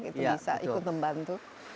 itu bisa ikut membantu